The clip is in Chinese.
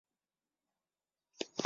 立达公园。